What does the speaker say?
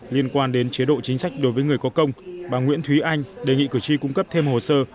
liên quan đến chế độ chính sách đối với người có công bà nguyễn thúy anh đề nghị cử tri cung cấp thêm hồ sơ